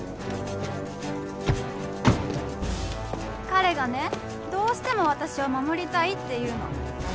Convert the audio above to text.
彼がねどうしても私を守りたいって言うの。